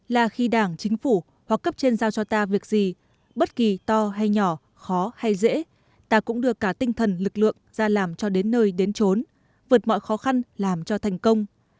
là khi đảng chính phủ hoặc cấp trên giao cho ta việc gì bất kỳ to hay nhỏ khó hay dễ ta cũng đưa cả tinh thần lực lượng ra làm cho đến nơi đến trốn vượt mọi khó khăn làm cho thành công